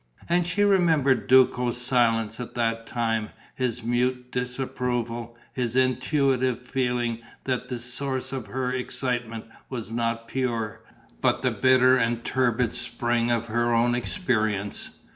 And she remembered Duco's silence at that time, his mute disapproval, his intuitive feeling that the source of her excitement was not pure, but the bitter and turbid spring of her own experience.